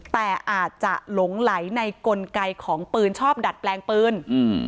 แต่อาจจะหลงไหลในกลไกของปืนชอบดัดแปลงปืนอืม